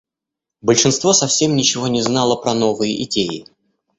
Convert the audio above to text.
Большинство совсем ничего не знало про новые идеи.